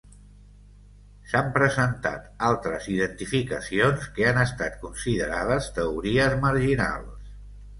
S'han presentat altres identificacions que han estat considerades teories marginals.